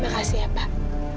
makasih ya pak